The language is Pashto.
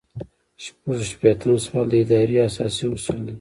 شپږ شپیتم سوال د ادارې اساسي اصول دي.